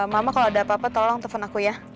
mama kalo ada apa apa tolong telfon aku ya